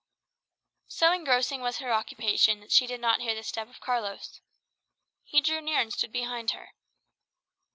So engrossing was her occupation that she did not hear the step of Carlos. He drew near, and stood behind her.